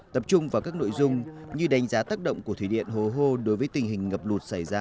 tập trung vào các nội dung như đánh giá tác động của thủy điện hố hô đối với tình hình ngập lụt xảy ra